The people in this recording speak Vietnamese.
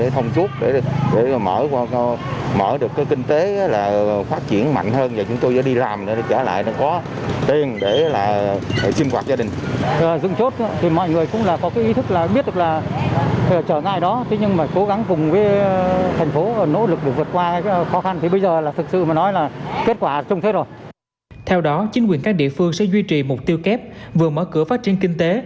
theo đó chính quyền các địa phương sẽ duy trì mục tiêu kép vừa mở cửa phát triển kinh tế